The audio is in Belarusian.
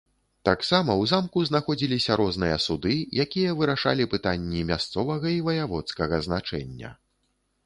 Таксама ў замку знаходзіліся розныя суды, якія вырашалі пытанні мясцовага і ваяводскага значэння.